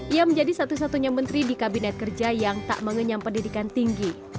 ia menjadi satu satunya menteri di kabinet kerja yang tak mengenyam pendidikan tinggi